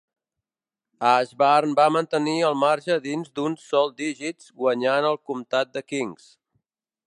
Ashburn va mantenir el marge dins d'un sol dígits, guanyant el Comtat de Kings.